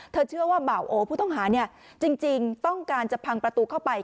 เชื่อว่าบ่าโอผู้ต้องหาจริงต้องการจะพังประตูเข้าไป